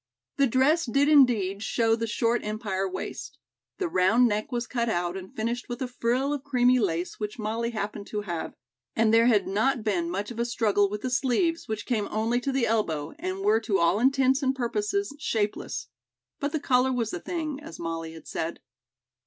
The dress did indeed show the short Empire waist. The round neck was cut out and finished with a frill of creamy lace which Molly happened to have, and there had not been much of a struggle with the sleeves, which came only to the elbow and were to all intents and purposes shapeless. But the color was the thing, as Molly had said.